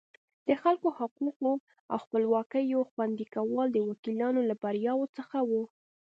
د خلکو حقوقو او خپلواکیو خوندي کول د وکیلانو له بریاوو څخه وو.